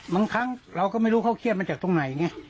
ครั้งเราก็ไม่รู้เขาเครียดมาจากตรงไหนไง